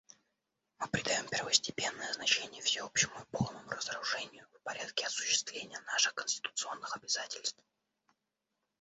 Мы придаем первостепенное значение всеобщему и полному разоружению в порядке осуществления наших конституционных обязательств.